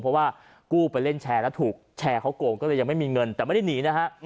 เพราะว่ากู้ไปเล่นแชร์แล้วถูกแชร์เขาโกงก็เลยยังไม่มีเงินแต่ไม่ได้หนีนะฮะ